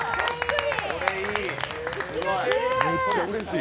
めっちゃうれしい。